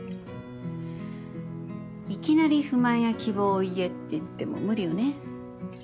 いきなり不満や希望を言えって言っても無理よね。